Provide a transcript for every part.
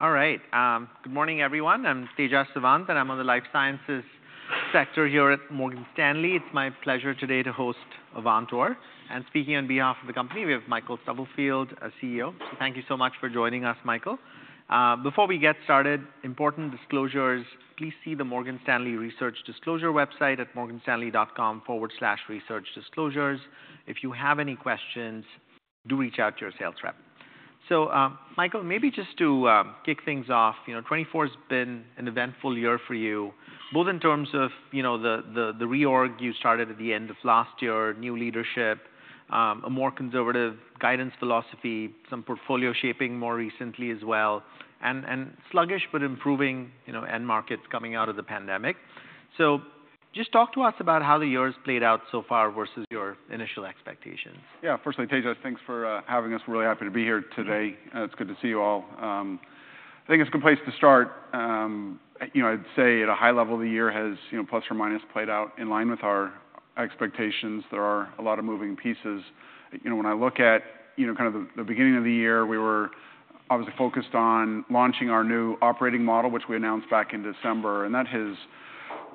All right. Good morning, everyone. I'm Tejas Savant, and I'm on the Life Sciences sector here at Morgan Stanley. It's my pleasure today to host Avantor, and speaking on behalf of the company, we have Michael Stubblefield, our CEO. Thank you so much for joining us, Michael. Before we get started, important disclosures: please see the Morgan Stanley research disclosure website at morganstanley.com/researchdisclosures. If you have any questions, do reach out to your sales rep, so Michael, maybe just to kick things off, you know, 2024's been an eventful year for you, both in terms of, you know, the reorg you started at the end of last year, new leadership, a more conservative guidance philosophy, some portfolio shaping more recently as well, and sluggish but improving, you know, end markets coming out of the pandemic. So just talk to us about how the year's played out so far versus your initial expectations? Yeah. Firstly, Tejas, thanks for having us. Really happy to be here today, and it's good to see you all. I think it's a good place to start. You know, I'd say at a high level, the year has, you know, plus or minus, played out in line with our expectations. There are a lot of moving pieces. You know, when I look at, you know, kind of the beginning of the year, we were obviously focused on launching our new operating model, which we announced back in December, and that has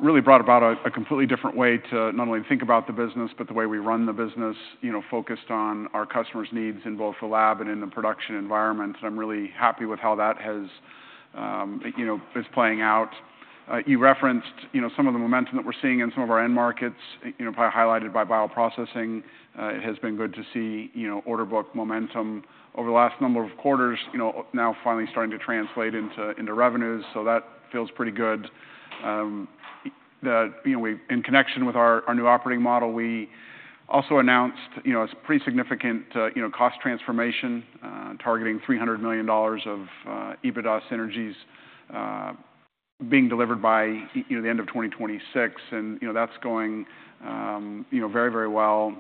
really brought about a completely different way to not only think about the business, but the way we run the business. You know, focused on our customers' needs in both the lab and in the production environment, and I'm really happy with how that has, you know, is playing out. You referenced, you know, some of the momentum that we're seeing in some of our end markets, you know, probably highlighted by bioprocessing. It has been good to see, you know, order book momentum over the last number of quarters, you know, now finally starting to translate into revenues. So that feels pretty good. You know, in connection with our new operating model, we also announced, you know, a pretty significant you know, cost transformation targeting $300 million of EBITDA synergies being delivered by you know, the end of 2026. And you know, that's going you know, very, very well.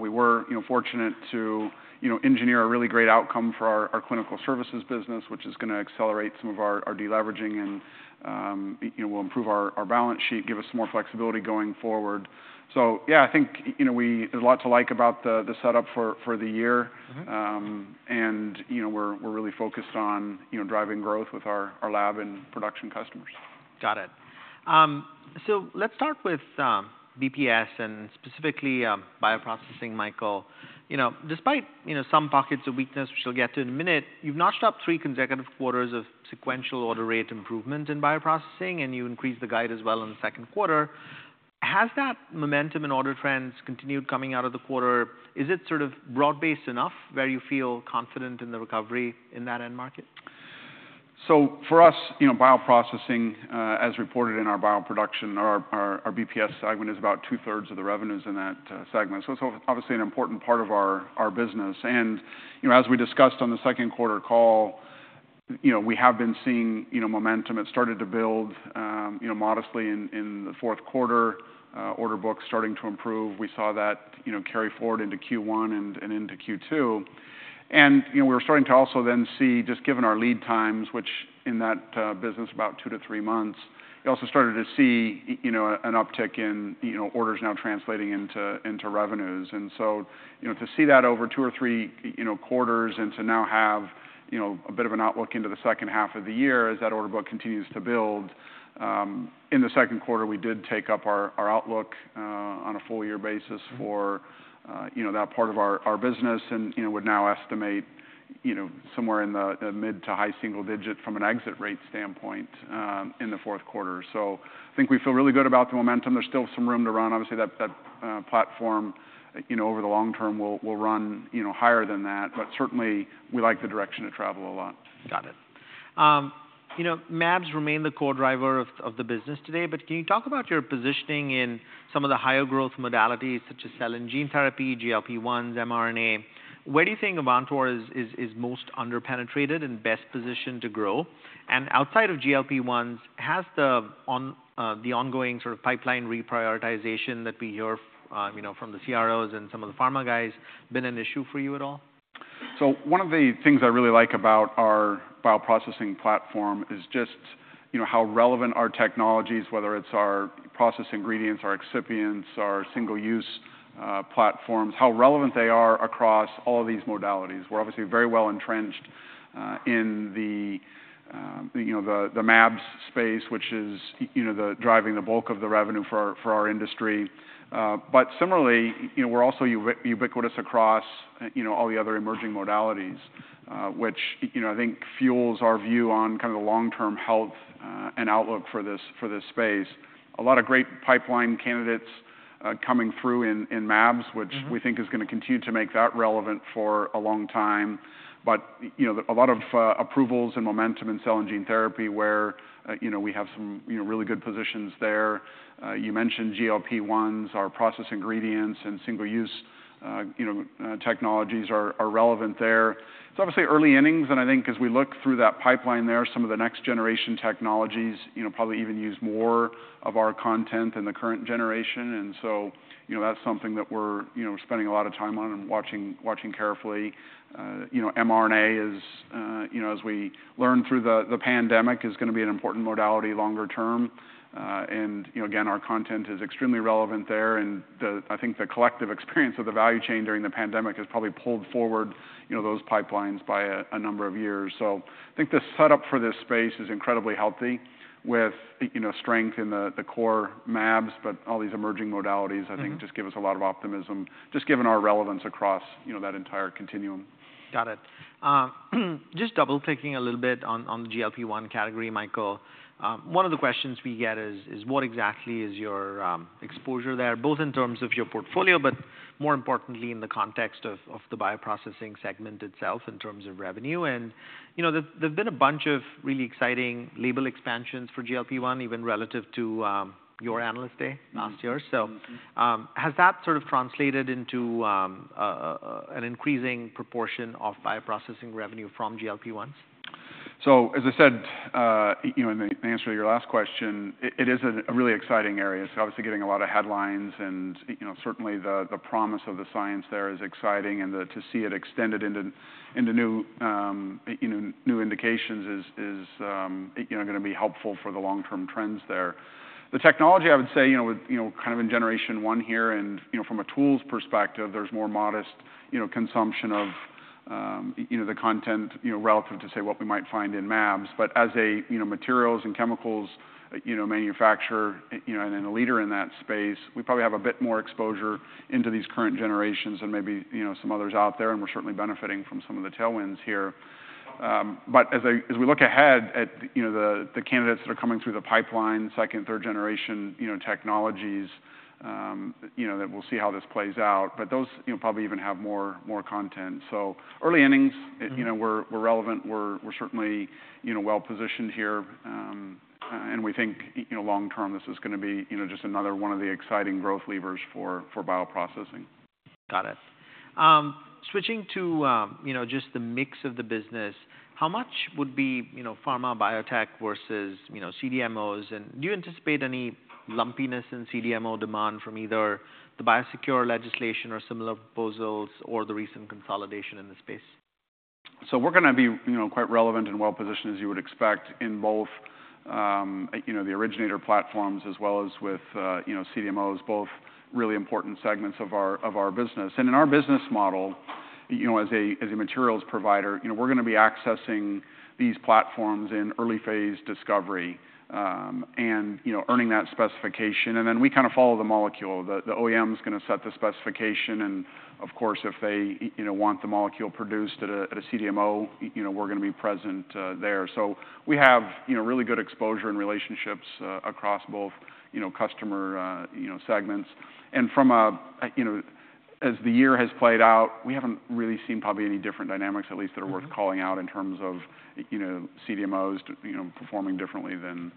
We were, you know, fortunate to, you know, engineer a really great outcome for our Clinical Services business, which is gonna accelerate some of our deleveraging and, you know, will improve our balance sheet, give us more flexibility going forward. So yeah, I think, you know, we... There is a lot to like about the setup for the year. Mm-hmm. You know, we're really focused on, you know, driving growth with our lab and production customers. Got it. So let's start with BPS and specifically bioprocessing, Michael. You know, despite you know some pockets of weakness, which we'll get to in a minute, you've notched up three consecutive quarters of sequential order rate improvement in bioprocessing, and you increased the guide as well in the second quarter. Has that momentum and order trends continued coming out of the quarter? Is it sort of broad-based enough, where you feel confident in the recovery in that end market? So for us, you know, bioprocessing, as reported in our Bioproduction, our BPS segment is about two-thirds of the revenues in that segment, so it's obviously an important part of our business. And, you know, as we discussed on the second quarter call, you know, we have been seeing, you know, momentum. It started to build, you know, modestly in the fourth quarter, order book starting to improve. We saw that, you know, carry forward into Q1 and into Q2. And, you know, we're starting to also then see, just given our lead times, which in that business about two to three months, we also started to see, you know, an uptick in, you know, orders now translating into revenues. And so, you know, to see that over two or three, you know, quarters and to now have, you know, a bit of an outlook into the second half of the year as that order book continues to build, in the second quarter, we did take up our outlook on a full year basis. Mm-hmm... for, you know, that part of our, our business and, you know, would now estimate, you know, somewhere in the, the mid to high single digit from an exit rate standpoint, in the fourth quarter. So I think we feel really good about the momentum. There's still some room to run. Obviously, that platform, you know, over the long term will run, you know, higher than that, but certainly we like the direction of travel a lot. Got it. You know, mAbs remain the core driver of the business today, but can you talk about your positioning in some of the higher growth modalities, such as cell and gene therapy, GLP-1s, mRNA? Where do you think Avantor is most underpenetrated and best positioned to grow? And outside of GLP-1s, has the ongoing sort of pipeline reprioritization that we hear, you know, from the CROs and some of the pharma guys, been an issue for you at all? So one of the things I really like about our bioprocessing platform is just, you know, how relevant our technologies, whether it's our process ingredients, our excipients, our single-use platforms, how relevant they are across all these modalities. We're obviously very well entrenched, you know, in the mAbs space, which is, you know, driving the bulk of the revenue for our industry. But similarly, you know, we're also ubiquitous across, you know, all the other emerging modalities, which, you know, I think fuels our view on kind of the long-term health and outlook for this space. A lot of great pipeline candidates coming through in mAbs, which- Mm-hmm We think is going to continue to make that relevant for a long time. But, you know, a lot of approvals and momentum in cell and gene therapy, where, you know, we have some, you know, really good positions there. You mentioned GLP-1s, our process ingredients and single-use, you know, technologies are relevant there. It's obviously early innings, and I think as we look through that pipeline there, some of the next-generation technologies, you know, probably even use more of our content than the current generation. And so, you know, that's something that we're, you know, spending a lot of time on and watching carefully. You know, mRNA is, you know, as we learn through the pandemic, is going to be an important modality longer term. And, you know, again, our content is extremely relevant there, and the- I think the collective experience of the value chain during the pandemic has probably pulled forward, you know, those pipelines by a number of years. So I think the setup for this space is incredibly healthy with, you know, strength in the core mAbs, but all these emerging modalities, I think- Mm-hmm... just give us a lot of optimism, just given our relevance across, you know, that entire continuum. Got it. Just double-clicking a little bit on the GLP-1 category, Michael. One of the questions we get is what exactly is your exposure there, both in terms of your portfolio, but more importantly, in the context of the bioprocessing segment itself in terms of revenue? And, you know, there's been a bunch of really exciting label expansions for GLP-1, even relative to your Analyst Day- Mm-hmm Last year. So, has that sort of translated into an increasing proportion of bioprocessing revenue from GLP-1s? As I said, you know, in the answer to your last question, it is a really exciting area. It's obviously getting a lot of headlines and, you know, certainly the promise of the science there is exciting, and to see it extended into new, you know, new indications is, you know, gonna be helpful for the long-term trends there. The technology, I would say, you know, with, you know, kind of in generation one here and, you know, from a tools perspective, there's more modest, you know, consumption of, you know, the content, you know, relative to, say, what we might find in mAbs. But as a, you know, materials and chemicals, you know, manufacturer, you know, and then a leader in that space, we probably have a bit more exposure into these current generations than maybe, you know, some others out there, and we're certainly benefiting from some of the tailwinds here. But as we look ahead at, you know, the candidates that are coming through the pipeline, second, third generation, you know, technologies, you know, that we'll see how this plays out. But those, you know, probably even have more content. So early innings- Mm-hmm... you know, we're certainly, you know, well-positioned here, and we think, you know, long term, this is gonna be, you know, just another one of the exciting growth levers for bioprocessing. Got it. Switching to, you know, just the mix of the business, how much would be, you know, pharma biotech versus, you know, CDMOs? And do you anticipate any lumpiness in CDMO demand from either the Biosecure legislation or similar proposals or the recent consolidation in the space? So we're gonna be, you know, quite relevant and well-positioned, as you would expect, in both, you know, the originator platforms as well as with, you know, CDMOs, both really important segments of our business. And in our business model, you know, as a materials provider, you know, we're gonna be accessing these platforms in early phase discovery, and, you know, earning that specification, and then we kind of follow the molecule. The OEM's gonna set the specification, and of course, if they, you know, want the molecule produced at a CDMO, you know, we're gonna be present there. So we have, you know, really good exposure and relationships across both, you know, customer segments. And from a, you know... As the year has played out, we haven't really seen probably any different dynamics, at least that are worth- Mm-hmm... calling out in terms of, you know, CDMOs, you know, performing differently than,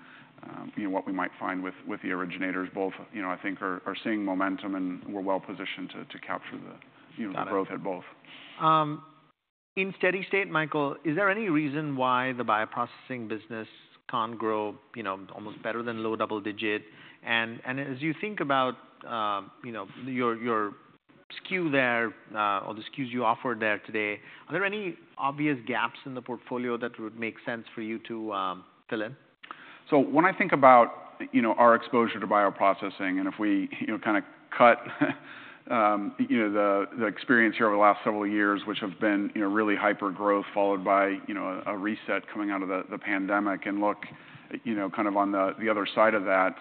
you know, what we might find with the originators. Both, you know, I think are seeing momentum, and we're well positioned to capture the, you know- Got it... the growth at both. In steady state, Michael, is there any reason why the bioprocessing business can't grow, you know, almost better than low double digit? And as you think about, you know, your SKU there, or the SKUs you offered there today, are there any obvious gaps in the portfolio that would make sense for you to fill in? So when I think about, you know, our exposure to bioprocessing, and if we, you know, kind of cut you know the experience here over the last several years, which have been, you know, really hypergrowth, followed by, you know, a reset coming out of the pandemic, and look, you know, kind of on the other side of that,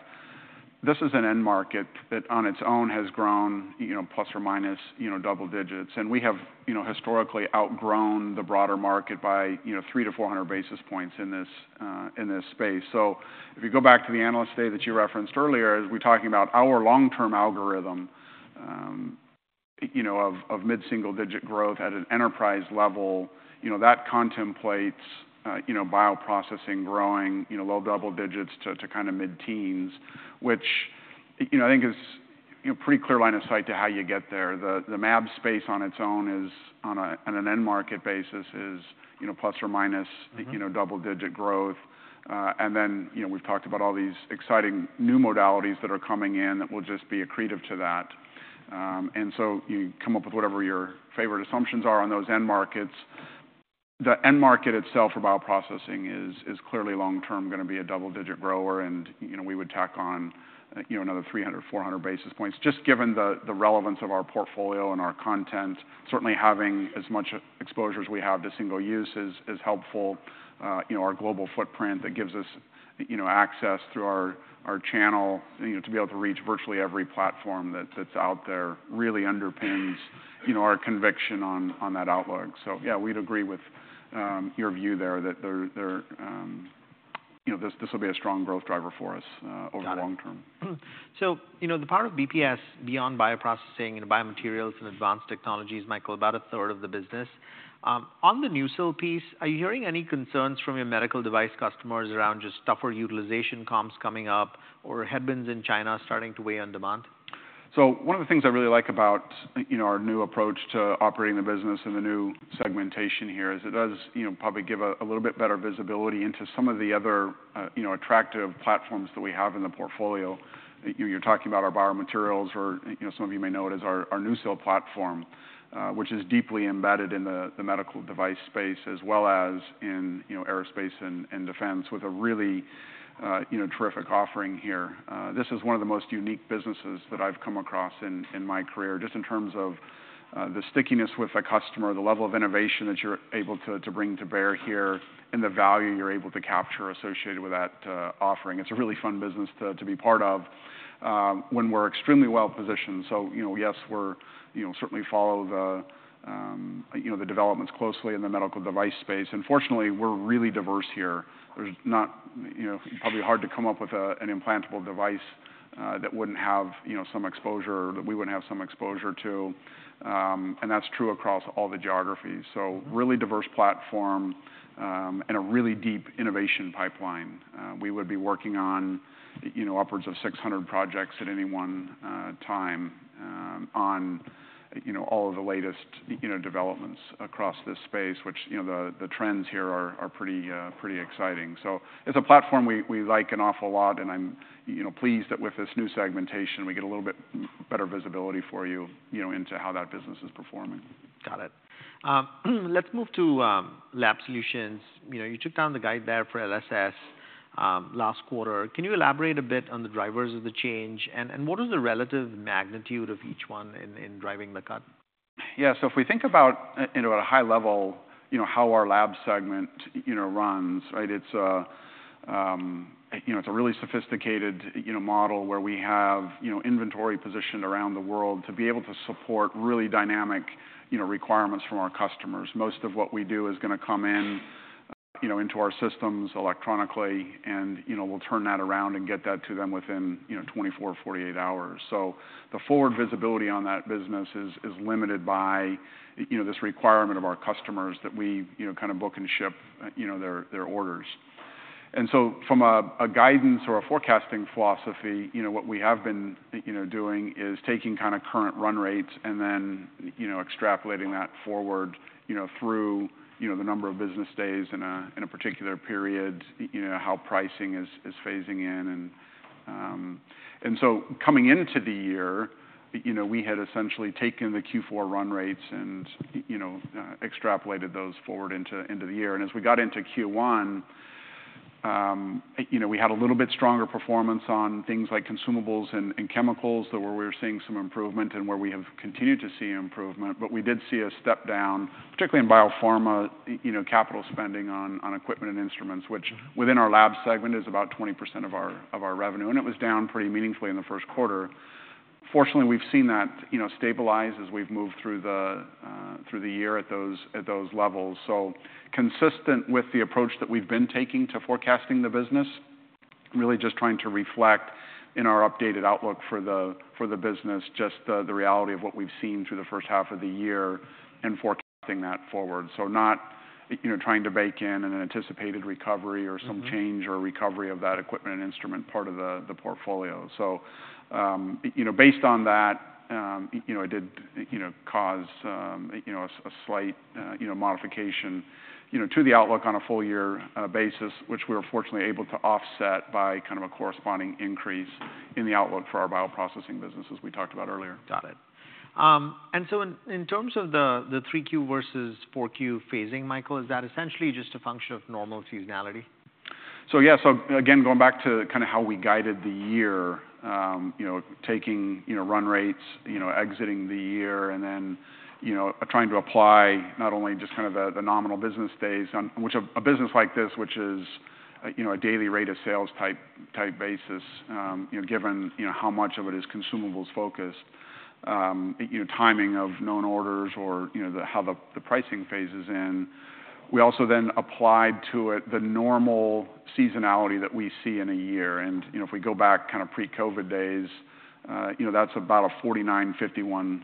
this is an end market that, on its own, has grown, you know, plus or minus, you know, double digits. And we have, you know, historically outgrown the broader market by, you know, 300-400 basis points in this space. If you go back to the Analyst Day that you referenced earlier, as we're talking about our long-term algorithm, you know, of mid-single digit growth at an enterprise level, you know, that contemplates, you know, bioprocessing growing, you know, low double digits to kind of mid-teens, which, you know, I think is a pretty clear line of sight to how you get there. The mAb space on its own is, on an end market basis, is, you know, plus or minus- Mm-hmm... you know, double-digit growth. And then, you know, we've talked about all these exciting new modalities that are coming in that will just be accretive to that. And so you come up with whatever your favorite assumptions are on those end markets. The end market itself for bioprocessing is clearly long term gonna be a double-digit grower, and, you know, we would tack on, you know, another 300, 400 basis points, just given the relevance of our portfolio and our content. Certainly, having as much exposure as we have to single use is helpful. You know, our global footprint that gives us, you know, access through our channel, you know, to be able to reach virtually every platform that, that's out there, really underpins, you know, our conviction on that outlook. Yeah, we'd agree with your view there, that there you know, this will be a strong growth driver for us over the long term. Got it. So, you know, the part of BPS beyond bioprocessing and biomaterials and advanced technologies, Michael, about a third of the business. On the NuSil piece, are you hearing any concerns from your medical device customers around just tougher utilization comps coming up or headwinds in China starting to weigh on demand? So one of the things I really like about, you know, our new approach to operating the business and the new segmentation here, is it does, you know, probably give a little bit better visibility into some of the other, you know, attractive platforms that we have in the portfolio. You're talking about our biomaterials or, you know, some of you may know it as our NuSil platform, which is deeply embedded in the medical device space, as well as in, you know, aerospace and defense with a really, you know, terrific offering here. This is one of the most unique businesses that I've come across in my career, just in terms of the stickiness with the customer, the level of innovation that you're able to bring to bear here, and the value you're able to capture associated with that offering. It's a really fun business to be part of when we're extremely well positioned. So you know, yes, we certainly follow the developments closely in the medical device space, and fortunately, we're really diverse here. There's not you know, probably hard to come up with an implantable device that wouldn't have you know, some exposure that we wouldn't have some exposure to. That's true across all the geographies. [It is a] really diverse platform and a really deep innovation pipeline. We would be working on, you know, upwards of 600 projects at any one time, on, you know, all of the latest, you know, developments across this space, which, you know, the trends here are pretty exciting. So it's a platform we like an awful lot, and I'm, you know, pleased that with this new segmentation, we get a little bit better visibility for you, you know, into how that business is performing. Got it. Let's move to Lab Solutions. You know, you took down the guidance there for LSS last quarter. Can you elaborate a bit on the drivers of the change? And what is the relative magnitude of each one in driving the cut? Yeah, so if we think about, you know, at a high level, you know, how our lab segment, you know, runs, right? It's, you know, it's a really sophisticated, you know, model where we have, you know, inventory positioned around the world to be able to support really dynamic, you know, requirements from our customers. Most of what we do is gonna come in, you know, into our systems electronically, and, you know, we'll turn that around and get that to them within, you know, 24-48 hours. So the forward visibility on that business is limited by, you know, this requirement of our customers that we, you know, kind of book and ship, you know, their orders. And so from a guidance or a forecasting philosophy, you know, what we have been, you know, doing is taking kind of current run rates and then, you know, extrapolating that forward, you know, through, you know, the number of business days in a particular period, you know, how pricing is phasing in and. And so coming into the year, you know, we had essentially taken the Q4 run rates and, you know, extrapolated those forward into the year. And as we got into Q1, you know, we had a little bit stronger performance on things like consumables and chemicals that where we were seeing some improvement and where we have continued to see improvement. But we did see a step down, particularly in biopharma, you know, capital spending on equipment and instruments, which within our lab segment is about 20% of our revenue, and it was down pretty meaningfully in the first quarter. Fortunately, we've seen that, you know, stabilize as we've moved through the year at those levels. So consistent with the approach that we've been taking to forecasting the business, really just trying to reflect in our updated outlook for the business, just the reality of what we've seen through the first half of the year and forecasting that forward. So not, you know, trying to bake in an anticipated recovery or- Mm-hmm... some change or recovery of that equipment and instrument part of the portfolio. So, you know, based on that, you know, it did, you know, cause a slight, you know, modification, you know, to the outlook on a full year basis, which we were fortunately able to offset by kind of a corresponding increase in the outlook for our bioprocessing business, as we talked about earlier. Got it. And so in terms of the three Q versus four Q phasing, Michael, is that essentially just a function of normal seasonality? Yeah, so again, going back to kind of how we guided the year, you know, taking, you know, run rates, you know, exiting the year and then, you know, trying to apply not only just kind of the nominal business days, which a business like this, which is, you know, a daily rate of sales type basis, you know, given, you know, how much of it is consumables focused, you know, timing of known orders or, you know, the how the pricing phases in. We also then applied to it the normal seasonality that we see in a year, and you know, if we go back kind of pre-COVID days, you know, that's about a 49-51%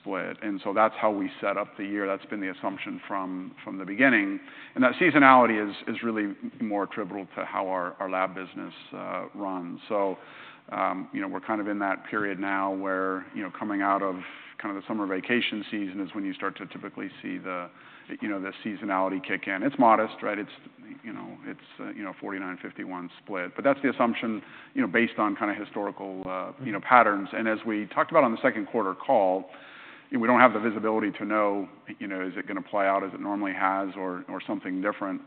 split, and so that's how we set up the year. That's been the assumption from the beginning. And that seasonality is really more trivial to how our lab business runs. So, you know, we're kind of in that period now where, you know, coming out of kind of the summer vacation season is when you start to typically see the, you know, the seasonality kick in. It's modest, right? It's, you know, a 49-51 split. But that's the assumption, you know, based on kind of historical patterns. And as we talked about on the second quarter call, we don't have the visibility to know, you know, is it gonna play out as it normally has or something different?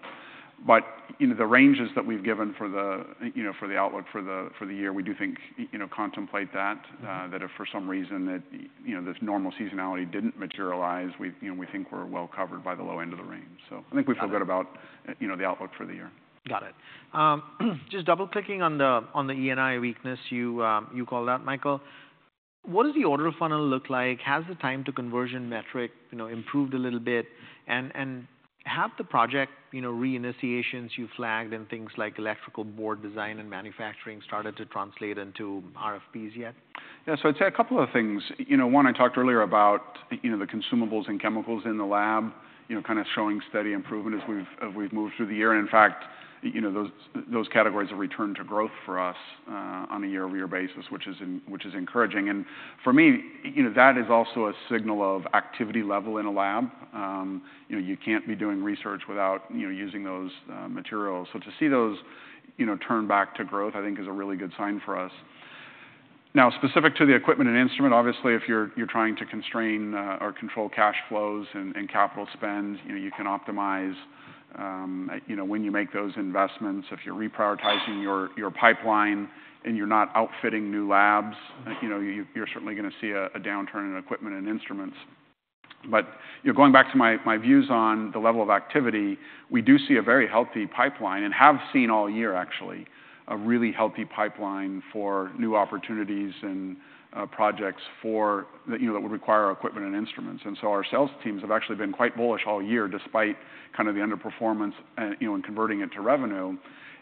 But, you know, the ranges that we've given for the, you know, for the outlook for the year, we do think, you know, contemplate that. Mm-hmm. that if for some reason that, you know, this normal seasonality didn't materialize, we, you know, we think we're well covered by the low end of the range. So I think we feel- Got it... good about, you know, the outlook for the year. Got it. Just double-clicking on the E&I weakness you called out, Michael. What does the order funnel look like? Has the time to conversion metric, you know, improved a little bit? And have the project, you know, reinitiations you flagged and things like electrical board design and manufacturing started to translate into RFPs yet? Yeah. So I'd say a couple of things. You know, one, I talked earlier about, you know, the consumables and chemicals in the lab, you know, kind of showing steady improvement as we've moved through the year. And in fact, you know, those categories have returned to growth for us, on a year-over-year basis, which is encouraging. And for me, you know, that is also a signal of activity level in a lab. You know, you can't be doing research without, you know, using those materials. So to see those, you know, turn back to growth, I think is a really good sign for us. Now, specific to the equipment and instrument, obviously, if you're trying to constrain, or control cash flows and capital spend, you know, you can optimize, you know, when you make those investments. If you're reprioritizing your pipeline and you're not outfitting new labs, you know, you're certainly gonna see a downturn in equipment and instruments, but you know, going back to my views on the level of activity, we do see a very healthy pipeline and have seen all year, actually, a really healthy pipeline for new opportunities and projects, you know, that would require equipment and instruments, and so our sales teams have actually been quite bullish all year, despite kind of the underperformance and, you know, in converting it to revenue,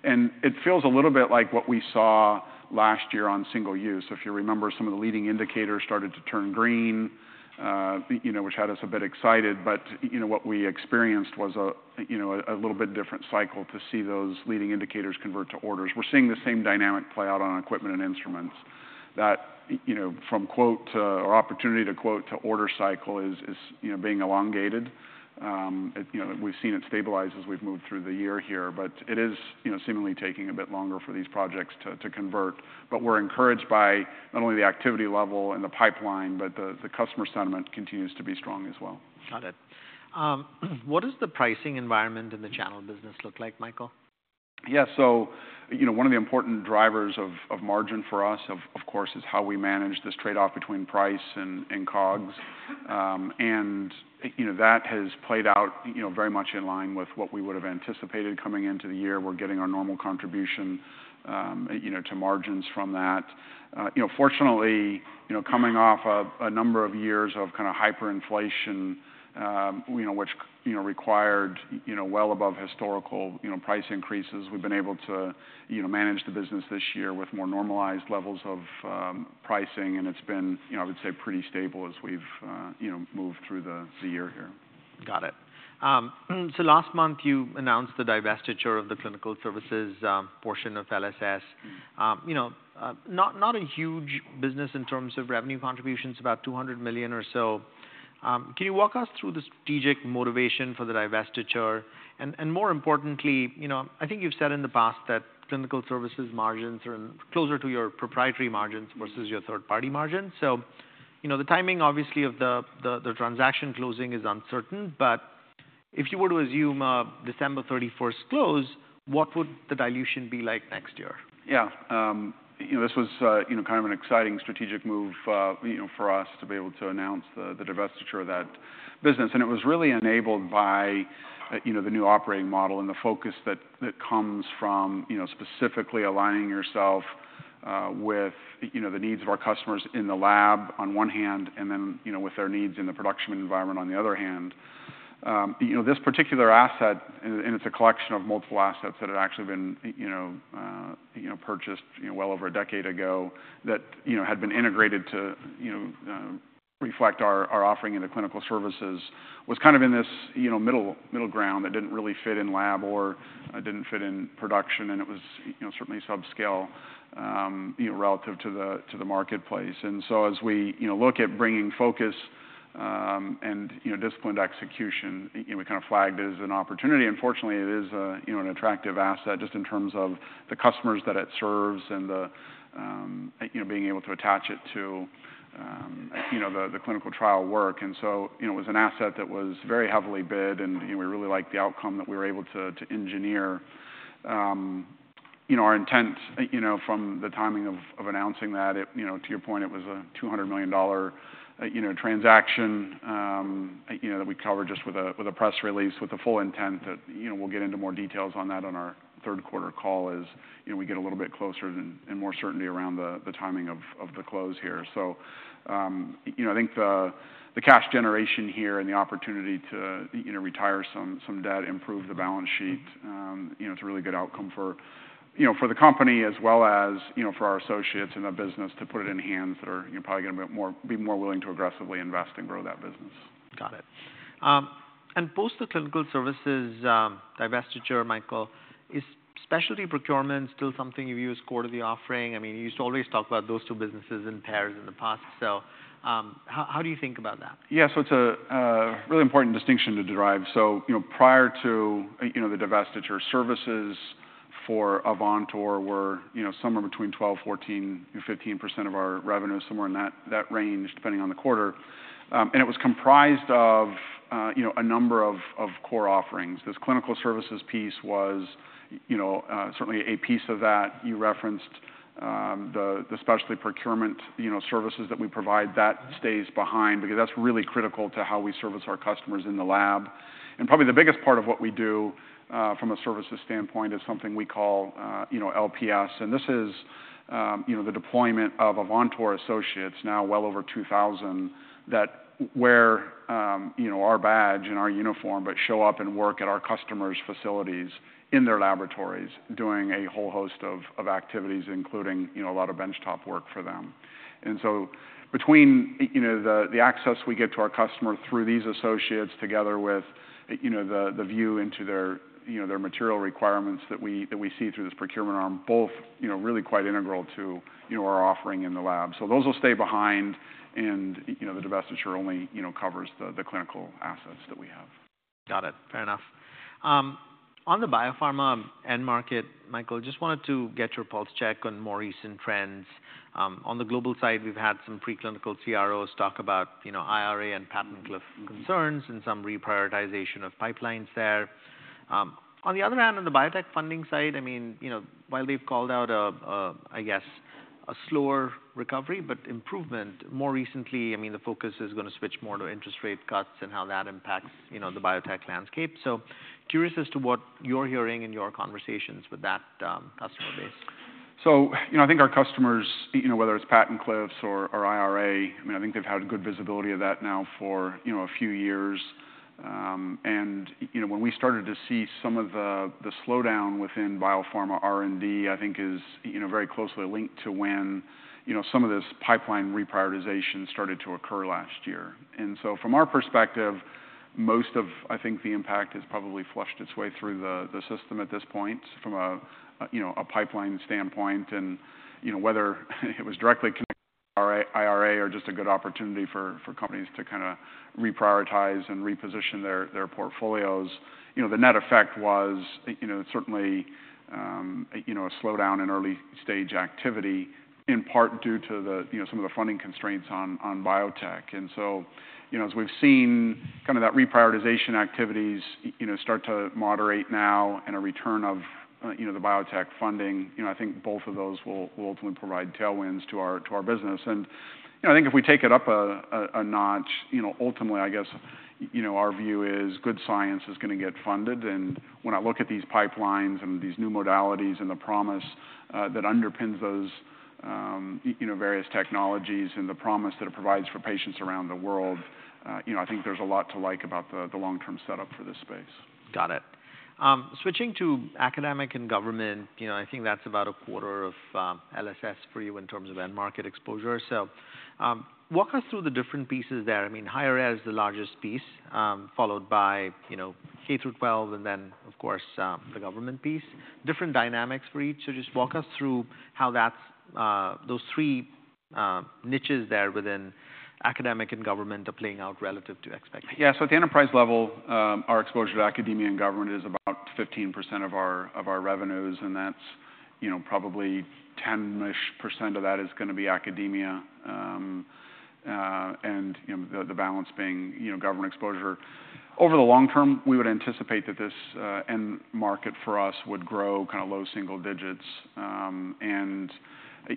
and it feels a little bit like what we saw last year on single-use. So if you remember, some of the leading indicators started to turn green, you know, which had us a bit excited, but, you know, what we experienced was, you know, a little bit different cycle to see those leading indicators convert to orders. We're seeing the same dynamic play out on equipment and instruments that, you know, from quote to or opportunity to quote to order cycle is, you know, being elongated. You know, we've seen it stabilize as we've moved through the year here, but it is, you know, seemingly taking a bit longer for these projects to convert. But we're encouraged by not only the activity level and the pipeline, but the customer sentiment continues to be strong as well. Got it. What does the pricing environment in the channel business look like, Michael? Yeah, so, you know, one of the important drivers of margin for us, of course, is how we manage this trade-off between price and COGS, and you know, that has played out, you know, very much in line with what we would have anticipated coming into the year. We're getting our normal contribution, you know, to margins from that. You know, fortunately, you know, coming off of a number of years of kind of hyperinflation, you know, which, you know, required, you know, well above historical, you know, price increases, we've been able to, you know, manage the business this year with more normalized levels of pricing, and it's been, you know, I would say, pretty stable as we've, you know, moved through the year here. Got it. So last month you announced the divestiture of the Clinical Services portion of LSS. You know, not a huge business in terms of revenue contributions, about $200 million or so. Can you walk us through the strategic motivation for the divestiture? And more importantly, you know, I think you've said in the past that Clinical Services margins are closer to your proprietary margins versus your third-party margins. So, you know, the timing, obviously, of the transaction closing is uncertain, but if you were to assume a December 31 close, what would the dilution be like next year? Yeah. You know, this was, you know, kind of an exciting strategic move, you know, for us to be able to announce the divestiture of that business. And it was really enabled by, you know, the new operating model and the focus that comes from, you know, specifically aligning yourself with, you know, the needs of our customers in the lab on one hand, and then, you know, with their needs in the production environment on the other hand. You know, this particular asset, and it's a collection of multiple assets that had actually been you know, purchased you know, well over a decade ago, that you know, had been integrated to you know, reflect our offering in the Clinical Services, was kind of in this you know, middle ground that didn't really fit in lab or didn't fit in production, and it was you know, certainly subscale you know, relative to the marketplace. So as we you know, look at bringing focus and you know, disciplined execution, you know, we kind of flagged it as an opportunity. Unfortunately, it is a you know, an attractive asset just in terms of the customers that it serves and the you know, being able to attach it to you know, the clinical trial work. And so, you know, it was an asset that was very heavily bid, and, you know, we really liked the outcome that we were able to to engineer. You know, our intent, you know, from the timing of of announcing that, it, you know, to your point, it was a $200 million, you know, transaction, you know, that we covered just with a with a press release, with the full intent that, you know, we'll get into more details on that on our third quarter call as, you know, we get a little bit closer and and more certainty around the the timing of of the close here. You know, I think the cash generation here and the opportunity to, you know, retire some debt, improve the balance sheet, you know, it's a really good outcome for, you know, for the company, as well as, you know, for our associates in the business to put it in hands that are, you know, probably gonna be more willing to aggressively invest and grow that business. Got it, and post the Clinical Services divestiture, Michael, is specialty procurement still something you view as core to the offering? I mean, you used to always talk about those two businesses in pairs in the past, so how do you think about that? Yeah, so it's a really important distinction to derive. So, you know, prior to, you know, the divestiture, services for Avantor were, you know, somewhere between 12, 14, and 15% of our revenue, somewhere in that range, depending on the quarter. And it was comprised of, you know, a number of core offerings. This Clinical Services piece was, you know, certainly a piece of that. You referenced the specialty procurement, you know, services that we provide, that stays behind because that's really critical to how we service our customers in the lab. And probably the biggest part of what we do from a services standpoint is something we call, you know, LPS. And this is-... You know, the deployment of Avantor associates, now well over 2,000, that wear, you know, our badge and our uniform, but show up and work at our customers' facilities in their laboratories, doing a whole host of activities, including, you know, a lot of bench top work for them. Between, you know, the access we get to our customer through these associates, together with, you know, the view into their, you know, their material requirements that we see through this procurement arm, both, you know, really quite integral to, you know, our offering in the lab. Those will stay behind and, you know, the divestiture only, you know, covers the clinical assets that we have. Got it. Fair enough. On the biopharma end market, Michael, just wanted to get your pulse check on more recent trends. On the global side, we've had some preclinical CROs talk about, you know, IRA and patent cliff concerns and some reprioritization of pipelines there. On the other hand, on the biotech funding side, I mean, you know, while they've called out a slower recovery, but improvement more recently, I mean, the focus is gonna switch more to interest rate cuts and how that impacts, you know, the biotech landscape. So curious as to what you're hearing in your conversations with that customer base. So, you know, I think our customers, you know, whether it's patent cliffs or IRA, I mean. I think they've had good visibility of that now for, you know, a few years. And, you know, when we started to see some of the slowdown within biopharma R&D, I think is, you know, very closely linked to when, you know, some of this pipeline reprioritization started to occur last year. And so from our perspective, most of, I think, the impact has probably flushed its way through the system at this point from a, you know, a pipeline standpoint. And, you know, whether it was directly connected to IRA or just a good opportunity for companies to kinda reprioritize and reposition their portfolios, you know, the net effect was, you know, certainly a slowdown in early-stage activity, in part due to the, you know, some of the funding constraints on biotech. And so, you know, as we've seen kind of that reprioritization activities, you know, start to moderate now and a return of the biotech funding, you know, I think both of those will ultimately provide tailwinds to our business. And, you know, I think if we take it up a notch, you know, ultimately, I guess, you know, our view is good science is gonna get funded. When I look at these pipelines and these new modalities and the promise that underpins those, you know, various technologies and the promise that it provides for patients around the world, you know, I think there's a lot to like about the long-term setup for this space. Got it. Switching to academic and government, you know, I think that's about a quarter of LSS for you in terms of end market exposure. So, walk us through the different pieces there. I mean, higher ed is the largest piece, followed by, you know, K-12, and then, of course, the government piece. Different dynamics for each. So just walk us through how that's, those three, niches there within academic and government are playing out relative to expectations. Yeah. So at the enterprise level, our exposure to academia and government is about 15% of our revenues, and that's, you know, probably 10-ish% of that is gonna be academia, and, you know, the balance being, you know, government exposure. Over the long term, we would anticipate that this end market for us would grow kind of low single digits. And,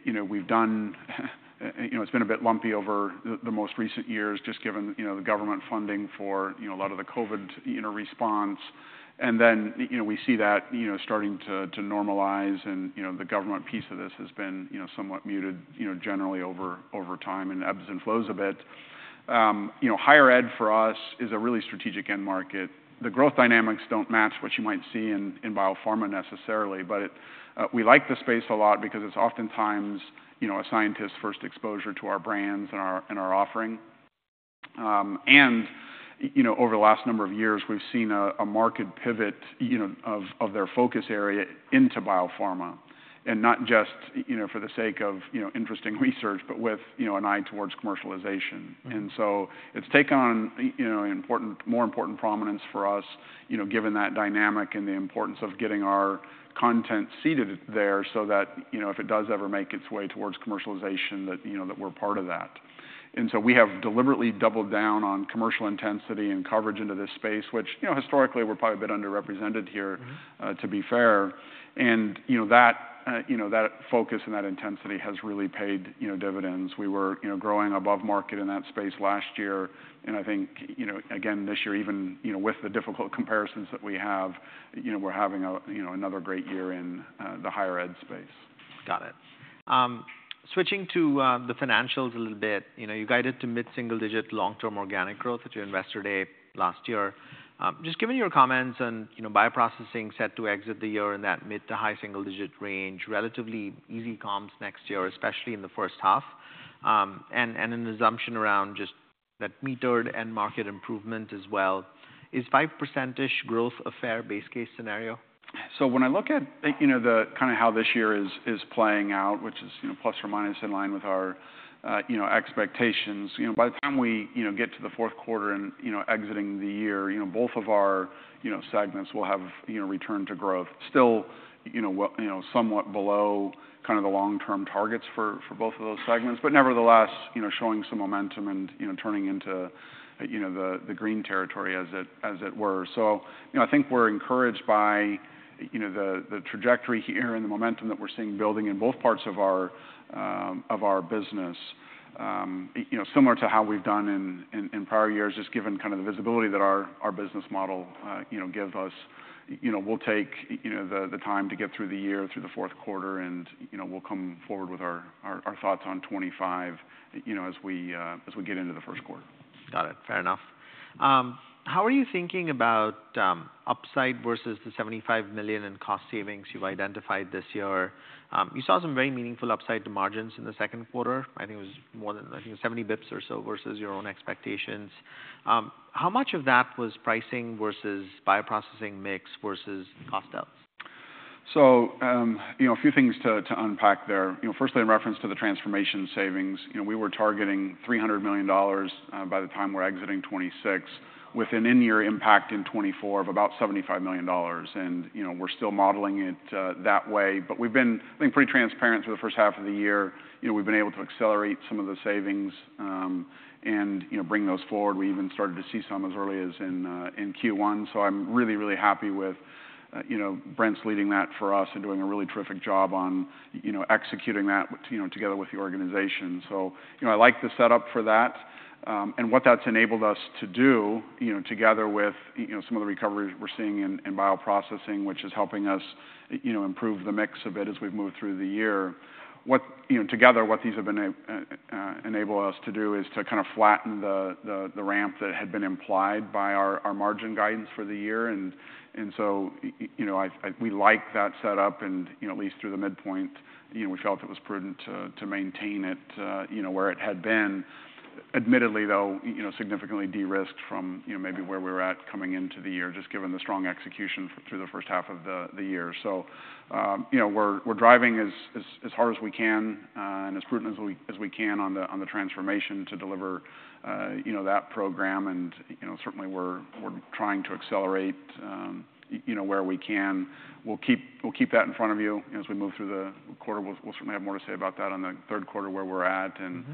you know, we've done-- you know, it's been a bit lumpy over the most recent years, just given, you know, the government funding for, you know, a lot of the COVID, you know, response. And then, you know, we see that, you know, starting to normalize and, you know, the government piece of this has been, you know, somewhat muted, you know, generally over time, and ebbs and flows a bit. You know, higher ed for us is a really strategic end market. The growth dynamics don't match what you might see in biopharma necessarily, but we like the space a lot because it's oftentimes, you know, a scientist's first exposure to our brands and our offering. And, you know, over the last number of years, we've seen a market pivot, you know, of their focus area into biopharma, and not just, you know, for the sake of, you know, interesting research, but with, you know, an eye towards commercialization. So it's taken on, you know, important, more important prominence for us, you know, given that dynamic and the importance of getting our content seated there so that, you know, if it does ever make its way towards commercialization, that, you know, that we're part of that. And so we have deliberately doubled down on commercial intensity and coverage into this space, which, you know, historically, we're probably a bit underrepresented here. Mm-hmm... to be fair. And, you know, that, you know, that focus and that intensity has really paid, you know, dividends. We were, you know, growing above market in that space last year, and I think, you know, again, this year, even, you know, with the difficult comparisons that we have, you know, we're having a, you know, another great year in, the higher ed space. Got it. Switching to the financials a little bit. You know, you guided to mid-single-digit long-term organic growth at your Investor Day last year. Just given your comments on, you know, bioprocessing set to exit the year in that mid- to high-single-digit range, relatively easy comps next year, especially in the first half, and an assumption around just that metered end market improvement as well, is 5%-ish growth a fair base case scenario? So when I look at, you know, the kind of how this year is playing out, which is, you know, plus or minus in line with our expectations, you know, by the time we, you know, get to the fourth quarter and, you know, exiting the year, you know, both of our, you know, segments will have, you know, returned to growth. Still, you know, somewhat below kind of the long-term targets for, for both of those segments, but nevertheless, you know, showing some momentum and, you know, turning into, you know, the green territory as it were. So, you know, I think we're encouraged by, you know, the trajectory here and the momentum that we're seeing building in both parts of our-... of our business, you know, similar to how we've done in prior years, just given kind of the visibility that our business model, you know, give us. You know, we'll take the time to get through the year, through the fourth quarter, and, you know, we'll come forward with our thoughts on 25, you know, as we get into the first quarter. Got it. Fair enough. How are you thinking about upside versus the $75 million in cost savings you've identified this year? You saw some very meaningful upside to margins in the second quarter. I think it was more than 70 basis points or so versus your own expectations. How much of that was pricing versus bioprocessing mix versus cost outs? So, you know, a few things to unpack there. You know, firstly, in reference to the transformation savings, you know, we were targeting $300 million by the time we're exiting 2026, with an in-year impact in 2024 of about $75 million. And, you know, we're still modeling it that way, but we've been, I think, pretty transparent for the first half of the year. You know, we've been able to accelerate some of the savings, and, you know, bring those forward. We even started to see some as early as in Q1. So I'm really, really happy with, you know, Brent's leading that for us and doing a really terrific job on, you know, executing that, you know, together with the organization. So, you know, I like the setup for that. And what that's enabled us to do, you know, together with, you know, some of the recoveries we're seeing in bioprocessing, which is helping us, you know, improve the mix a bit as we've moved through the year. You know, together, what these have enabled us to do is to kind of flatten the ramp that had been implied by our margin guidance for the year. And so, you know, we like that setup and, you know, at least through the midpoint, you know, we felt it was prudent to maintain it, you know, where it had been. Admittedly, though, you know, significantly de-risked from, you know, maybe where we were at coming into the year, just given the strong execution through the first half of the year. You know, we're driving as hard as we can on the transformation to deliver, you know, that program. You know, certainly we're trying to accelerate, you know, where we can. We'll keep that in front of you as we move through the quarter. We'll certainly have more to say about that on the third quarter, where we're at. Mm-hmm. And,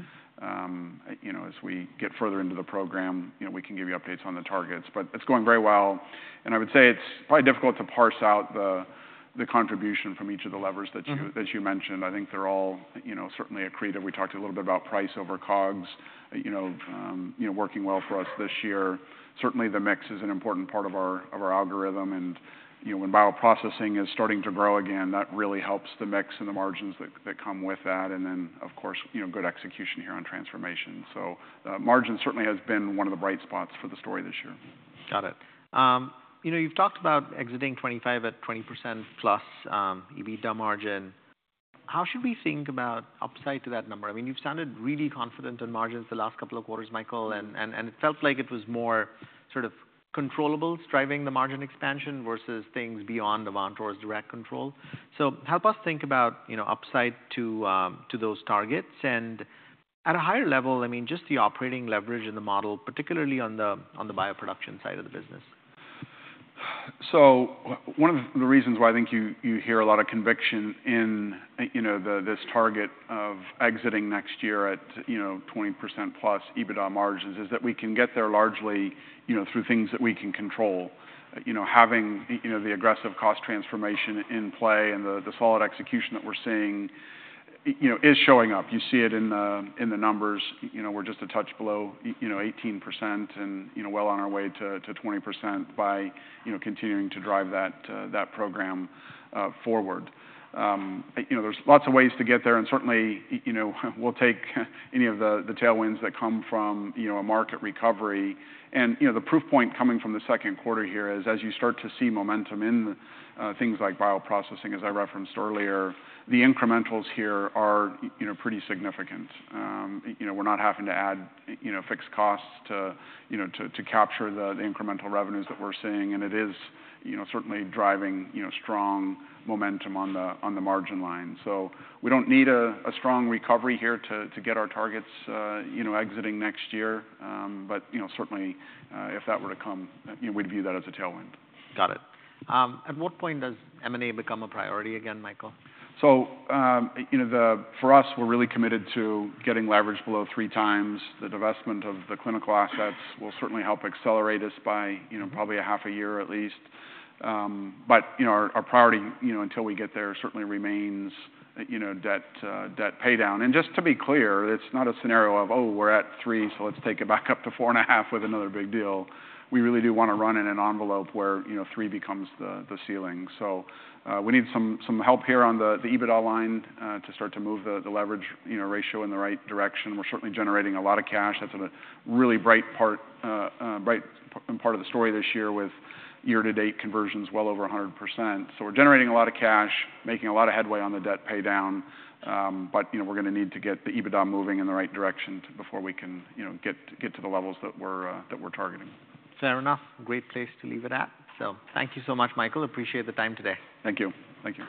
you know, as we get further into the program, you know, we can give you updates on the targets. But it's going very well, and I would say it's probably difficult to parse out the contribution from each of the levers that you- Mm-hmm... that you mentioned. I think they're all, you know, certainly accretive. We talked a little bit about price over COGS, you know, working well for us this year. Certainly, the mix is an important part of our algorithm, and you know, when bioprocessing is starting to grow again, that really helps the mix and the margins that come with that, and then, of course, you know, good execution here on transformation, so margin certainly has been one of the bright spots for the story this year. Got it. You know, you've talked about exiting 2025 at 20% plus EBITDA margin. How should we think about upside to that number? I mean, you've sounded really confident in margins the last couple of quarters, Michael, and it felt like it was more sort of controllables driving the margin expansion versus things beyond Avantor's direct control. So help us think about, you know, upside to those targets, and at a higher level, I mean, just the operating leverage in the model, particularly on the Bioproduction side of the business. So one of the reasons why I think you hear a lot of conviction in, you know, this target of exiting next year at, you know, 20% plus EBITDA margins, is that we can get there largely, you know, through things that we can control. You know, having, you know, the aggressive cost transformation in play and the solid execution that we're seeing, you know, is showing up. You see it in the numbers. You know, we're just a touch below, you know, 18% and, you know, well on our way to 20 percent by, you know, continuing to drive that program forward. You know, there's lots of ways to get there, and certainly, you know, we'll take any of the tailwinds that come from, you know, a market recovery. You know, the proof point coming from the second quarter here is, as you start to see momentum in things like bioprocessing, as I referenced earlier, the incrementals here are, you know, pretty significant. You know, we're not having to add, you know, fixed costs to capture the incremental revenues that we're seeing, and it is, you know, certainly driving strong momentum on the margin line. We don't need a strong recovery here to get our targets, you know, exiting next year. But, you know, certainly, if that were to come, you know, we'd view that as a tailwind. Got it. At what point does M&A become a priority again, Michael? So, you know, for us, we're really committed to getting leverage below three times. The divestment of the clinical assets will certainly help accelerate us by, you know, probably a half a year at least. But, you know, our priority, you know, until we get there, certainly remains, you know, debt paydown. And just to be clear, it's not a scenario of, "Oh, we're at three, so let's take it back up to four and a half with another big deal." We really do wanna run in an envelope where, you know, three becomes the ceiling. So, we need some help here on the EBITDA line to start to move the leverage, you know, ratio in the right direction. We're certainly generating a lot of cash. That's a really bright part of the story this year, with year to date conversions well over 100%. So we're generating a lot of cash, making a lot of headway on the debt paydown, but, you know, we're gonna need to get the EBITDA moving in the right direction before we can, you know, get to the levels that we're targeting. Fair enough. Great place to leave it at. So thank you so much, Michael. Appreciate the time today. Thank you. Thank you.